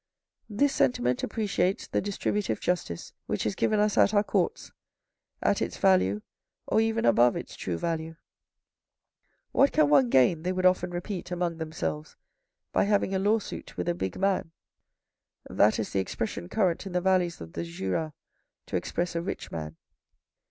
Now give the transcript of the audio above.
This sentiment appreciates the distributive justice, which is given us at our courts, at its value or even above its true value. " What can one gain," they would often repeat among themselves, " by having a law suit with ' a big man ?'" That is the expression current in the valleys of the Jura to express a rich man.